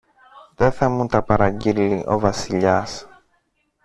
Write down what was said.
Δε θα μου τα παραγγείλει ο Βασιλιάς